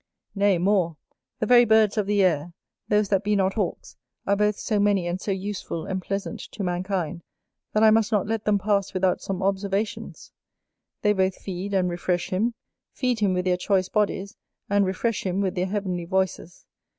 Nay more; the very birds of the air, those that be not Hawks, are both so many and so useful and pleasant to mankind, that I must not let them pass without some observations. They both feed and refresh him; feed him with their choice bodies, and refresh him with their heavenly voices.